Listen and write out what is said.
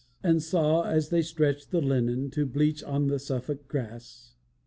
And saw as they stretched the linen To bleach on the Suffolk grass.